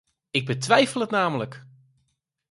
Ik betwijfel het namelijk!